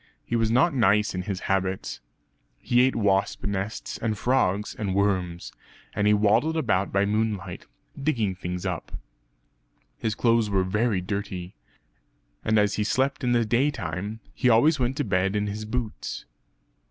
He was not nice in his habits. He ate wasp nests and frogs and worms; and he waddled about by moonlight, digging things up. His clothes were very dirty; and as he slept in the day time, he always went to bed in his boots.